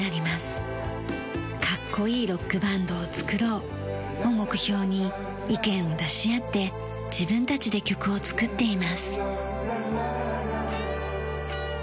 「かっこいいロックバンドをつくろう」を目標に意見を出し合って自分たちで曲を作っています。